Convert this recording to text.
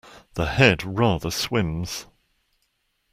The head rather swims.